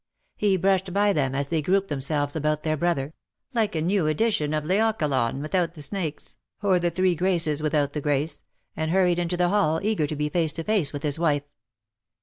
He brushed by them as they grouped themselves about their brother — like a new edition of Laocoon without the snakes, or the three Graces without the grace — and hurried into the hall, eager to be face to face with his wife.